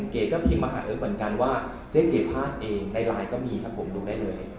เก๋ก็พิมพ์มาหาเอิ๊กเหมือนกันว่าเจ๊เก๋พลาดเองในไลน์ก็มีครับผมดูได้เลย